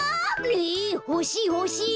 えほしいほしい！